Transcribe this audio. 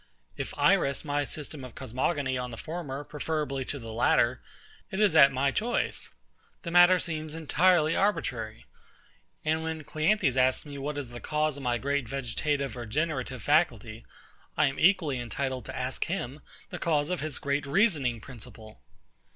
If I rest my system of cosmogony on the former, preferably to the latter, it is at my choice. The matter seems entirely arbitrary. And when CLEANTHES asks me what is the cause of my great vegetative or generative faculty, I am equally entitled to ask him the cause of his great reasoning principle.